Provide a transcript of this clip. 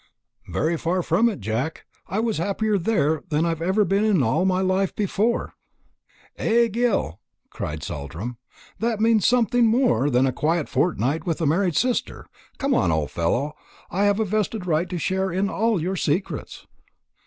"Very far from it, Jack. I was happier there than I have ever been in my life before." "Eh, Gil!" cried John Saltram; "that means something more than a quiet fortnight with a married sister. Come, old fellow, I have a vested right to a share in all your secrets."